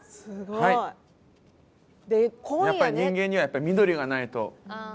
やっぱり人間には緑がないと。